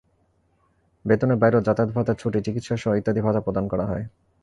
বেতনের বাইরেও যাতায়াত ভাতা, ছুটি, চিকিৎসাসহ ইত্যাদি ভাতা প্রদান করা হয়।